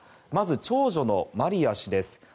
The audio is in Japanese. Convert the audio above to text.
まず、長女のマリヤ氏です。